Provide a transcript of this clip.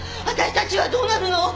私たちはどうなるの！？